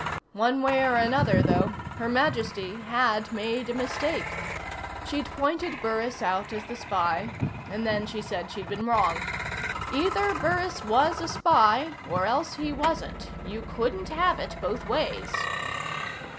One way or another, though, Her Majesty had made a mistake. She'd pointed Burris out as the spy, and then she'd said she'd been wrong. Either Burris was a spy, or else he wasn't. You couldn't have it both ways.